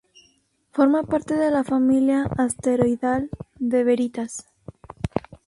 Forma parte de la familia asteroidal de Veritas.